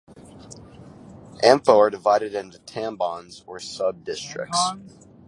Amphoe are divided into tambons, or sub-districts.